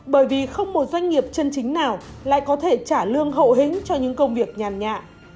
bởi vì không một doanh nghiệp chân chính nào lại có thể trả lương hậu hĩnh cho những công việc nhàn nhạ